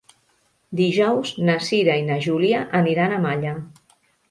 Dijous na Cira i na Júlia aniran a Malla.